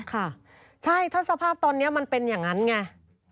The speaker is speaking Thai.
ค่ะใช่ถ้าสภาพตอนนี้มันเป็นอย่างนั้นไง